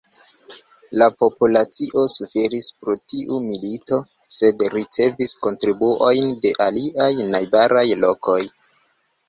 La populacio suferis pro tiu milito, sed ricevis kontribuojn de aliaj najbaraj lokoj.